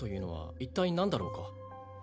一体何だろうか